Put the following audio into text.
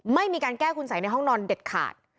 ไม่มีการแก้คุณสัยในห้องนอนเด็ดขาด